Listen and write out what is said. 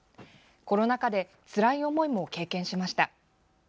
コロナ禍でつらい思いも経験しました。